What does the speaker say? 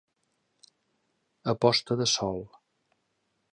A posta de sol.